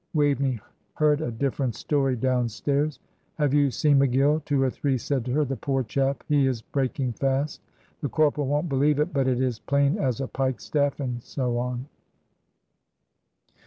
Waveney heard a different story downstairs. "Have you seen McGill?" two or three said to her. "The poor chap, he is breaking fast. The corporal won't believe it, but it is plain as a pike staff;" and so on.